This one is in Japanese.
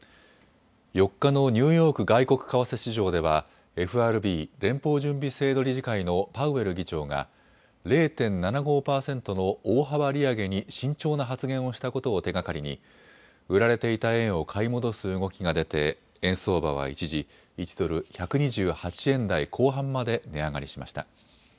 ４日のニューヨーク外国為替市場ではＦＲＢ・連邦準備制度理事会のパウエル議長が０．７５％の大幅利上げに慎重な発言をしたことを手がかりに売られていた円を買い戻す動きが出て、円相場は一時１ドル・１２８円台後半まで値上がりしました。